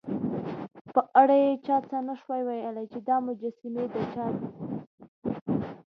په اړه یې چا څه نه شوای ویلای، چې دا مجسمې د چا دي.